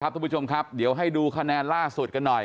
ทุกผู้ชมครับเดี๋ยวให้ดูคะแนนล่าสุดกันหน่อย